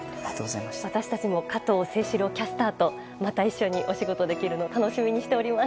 私たちも加藤清史郎キャスターとまた一緒にお仕事できるの楽しみにしております。